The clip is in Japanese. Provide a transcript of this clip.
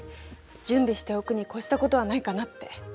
準備しておくに越したことはないかなって。